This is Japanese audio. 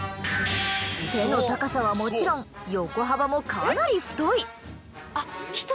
背の高さはもちろん横幅もかなり太い。